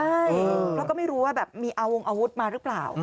ใช่เพราะก็ไม่รู้ว่าแบบมีเอาวงอาวุธมาหรือเปล่า